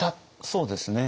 そうですね。